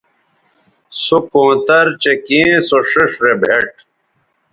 سو کونتر چہء کیں سو ݜئیݜ رے بھیٹ